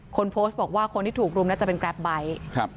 คนโพสต์บอกว่าคนที่ถูกรุมน่าจะเป็นแกรปไบท์ครับ